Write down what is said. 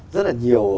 rất là nhiều